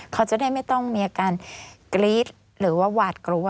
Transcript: เขาจะได้ไม่ต้องมีอาการกรี๊ดหรือว่าหวาดกลัว